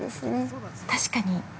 ◆確かに。